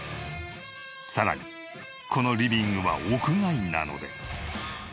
さらにこのリビングは屋外なので。